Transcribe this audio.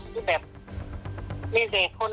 ที่แบบมีเด็กคน